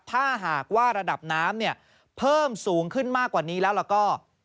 ถ้าหากว่าระดับน้ำเนี่ยเพิ่มสูงขึ้นมากกว่านี้แล้วแล้วก็